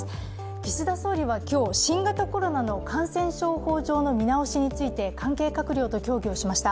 岸田総理は今日、新型コロナの感染症法上の見直しについて関係閣僚と協議をしました。